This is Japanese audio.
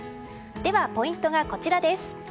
では、ポイントがこちら。